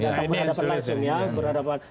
oke ini yang sudah saya ingat